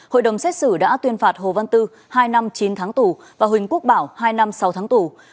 hội đồng xét xử đã tuyên phạt hồ văn tư hai năm chín tháng tù và huỳnh quốc bảo hai năm sáu tháng tù